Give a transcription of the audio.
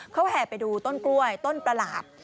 เขาแห่ไปดูต้นกล้วยต้นประหลาด